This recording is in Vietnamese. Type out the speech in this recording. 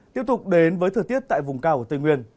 tiếp tục đến với thời tiết tại vùng cao ở tây nguyên